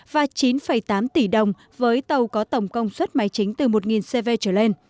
và chín tám tỷ đồng với tàu có tổng công suất máy chính từ một cv trở lên